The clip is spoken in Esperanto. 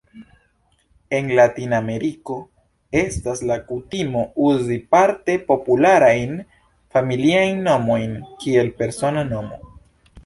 En Latinameriko estas la kutimo uzi aparte popularajn familiajn nomojn kiel persona nomo.